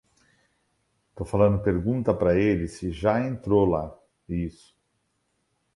Ele se interessou por pintar? desenhando? e fotografia antes de encontrar sua verdadeira paixão.